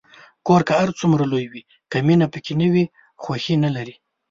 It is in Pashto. کور که هر څومره لوی وي، که مینه پکې نه وي، خوښي نلري.